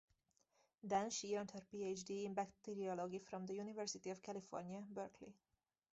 Then, she earned her Ph.D. in bacteriology from the University of California, Berkeley.